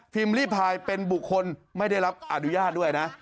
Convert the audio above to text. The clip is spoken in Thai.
ลี่พายเป็นบุคคลไม่ได้รับอนุญาตด้วยนะ